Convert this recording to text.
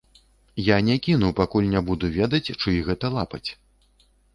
Я не кіну, пакуль не буду ведаць, чый гэта лапаць.